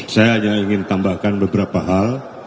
saya hanya ingin tambahkan beberapa hal